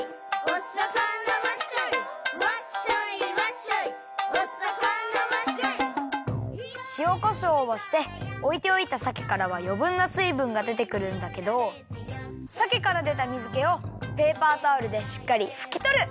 「おさかなワッショイ」しおこしょうをしておいておいたさけからはよぶんなすいぶんがでてくるんだけどさけからでたみずけをペーパータオルでしっかりふきとる。